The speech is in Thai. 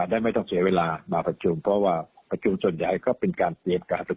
ได้ไม่ต้องเสียเวลามาประชุมเพราะว่าประชุมส่วนใหญ่ก็เป็นการเปลี่ยนการประชุม